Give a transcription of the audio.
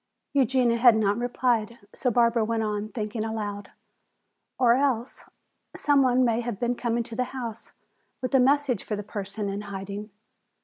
Eugenia had not replied, so Barbara went on thinking aloud. "Or else some one may have been coming to the house with a message for the person in hiding.